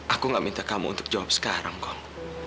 aku ga minta kamu untuk jawab sekarang kong